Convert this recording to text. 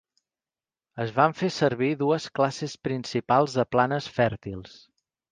Es van fer servir dues classes principals de planes fèrtils.